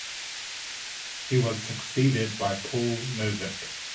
He was succeeded by Paul Novick.